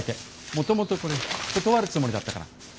もともとこれ断るつもりだったから。